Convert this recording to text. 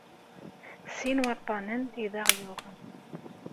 Sin waṭṭanen i d aɣ-yuɣen.